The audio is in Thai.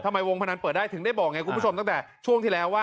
วงพนันเปิดได้ถึงได้บอกไงคุณผู้ชมตั้งแต่ช่วงที่แล้วว่า